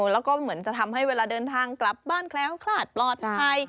แล้วก็เหมือนจะทำให้เวลาเดินทางกลับบ้านแคล้วคลาดปลอดภัย